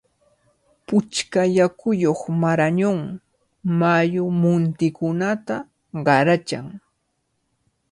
Puchka yakuyuq Marañón mayu muntikunata qarachan.